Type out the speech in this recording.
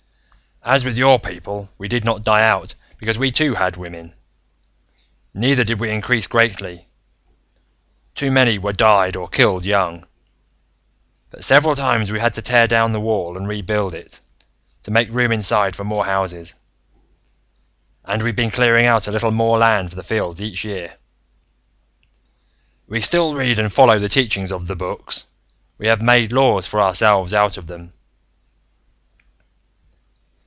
"As with your people, we did not die out because we too had women. Neither did we increase greatly too many died or were killed young. But several times we've had to tear down the wall and rebuild it, to make room inside for more houses. And we've been clearing out a little more land for the fields each year. "We still read and follow the teachings of The Books: we have made laws for ourselves out of them."